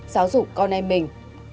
giáo dục con em mình